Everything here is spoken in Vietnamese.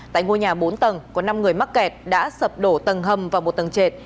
tại ngôi nhà bốn tầng có năm người mắc kẹt đã sập đổ tầng hầm và một tầng trệt